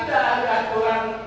pertama agama agama pemerintahan